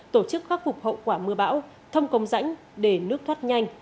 tổ chức khắc phục hậu quả mưa bão thông công rãnh để nước thoát nhanh